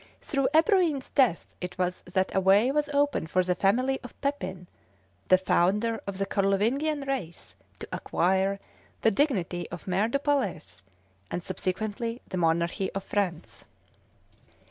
Through Ebroin's death it was that a way was opened for the family of Pepin, the founder of the Carlovingian race, to acquire the dignity of Maire du Palais, and subsequently the monarchy of France.